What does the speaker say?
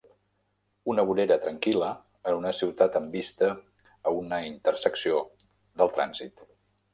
Una vorera tranquil·la en una ciutat amb vista a una intersecció del trànsit.